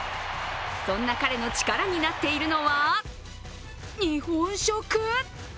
そんな彼の力になっているのは日本食！？